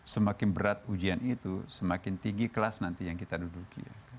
semakin berat ujian itu semakin tinggi kelas nanti yang kita duduki